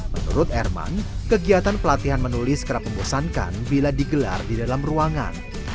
menurut erman kegiatan pelatihan menulis kerap membosankan bila digelar di dalam ruangan